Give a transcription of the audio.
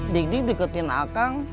dik dik diketin akang